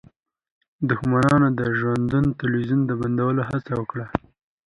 دښمنانو د ژوندون تلویزیون د بندولو هڅه وکړه